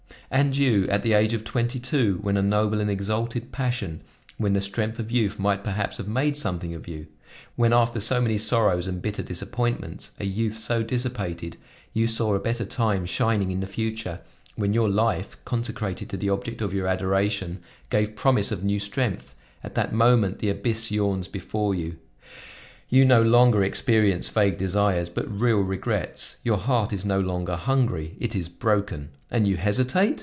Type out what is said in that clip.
"And you, at the age of twenty two when a noble and exalted passion, when the strength of youth might perhaps have made something of you! When after so many sorrows and bitter disappointments, a youth so dissipated, you saw a better time shining in the future; when your life, consecrated to the object of your adoration, gave promise of new strength, at that moment the abyss yawns before you! You no longer experience vague desires, but real regrets; your heart is no longer hungry, it is broken! And you hesitate?